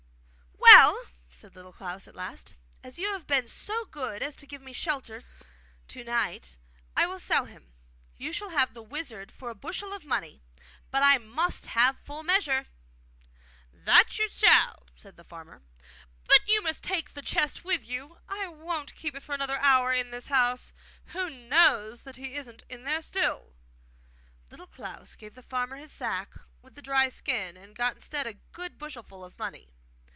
'Well!' said Little Klaus at last, 'as you have been so good as to give me shelter to night, I will sell him. You shall have the wizard for a bushel of money, but I must have full measure.' 'That you shall,' said the farmer. 'But you must take the chest with you. I won't keep it another hour in the house. Who knows that he isn't in there still?' Little Klaus gave the farmer his sack with the dry skin, and got instead a good bushelful of money.